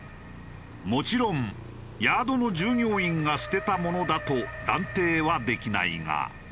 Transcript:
もちろんヤードの従業員が捨てたものだと断定はできないが。